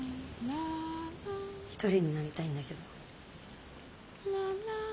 一人になりたいんだけど。